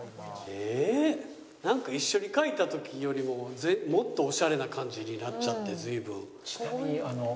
ええなんか一緒に描いた時よりももっとオシャレな感じになっちゃって随分。